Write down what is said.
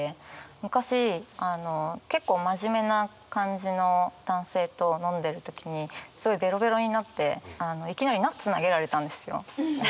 昔結構真面目な感じの男性と飲んでる時にすごいベロベロになっていきなりナッツ投げられたんですよ。